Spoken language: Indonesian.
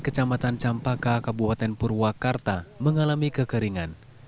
kecamatan campaka kabupaten purwakarta mengalami kekeringan